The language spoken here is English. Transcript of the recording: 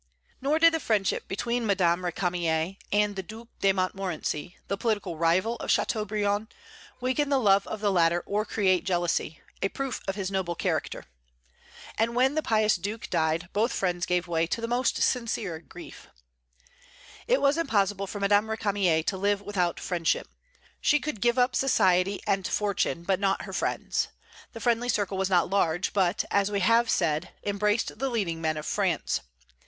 Nor did the friendship between Madame Récamier and the Due de Montmorency, the political rival of Châteaubriand, weaken the love of the latter or create jealousy, a proof of his noble character. And when the pious Duke died, both friends gave way to the most sincere grief. It was impossible for Madame Récamier to live without friendship. She could give up society and fortune, but not her friends. The friendly circle was not large, but, as we have said, embraced the leading men of France.